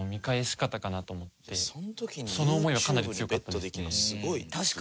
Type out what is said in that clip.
その思いはかなり強かったですね。